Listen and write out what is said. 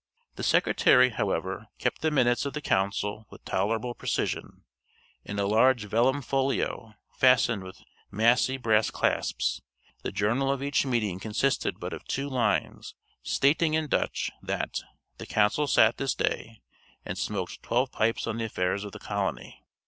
The secretary, however, kept the minutes of the council with tolerable precision, in a large vellum folio, fastened with massy brass clasps; the journal of each meeting consisted but of two lines, stating in Dutch that "the council sat this day, and smoked twelve pipes on the affairs of the colony."